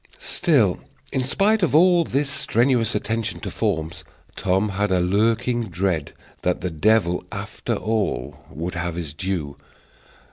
Still, in spite of all this strenuous attention to forms, Tom had a lurking dread that the devil, after all, would have his due.